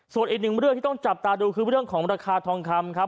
ส่วนอีกหนึ่งเรื่องที่ต้องจับตาดูคือเรื่องของราคาทองคำครับ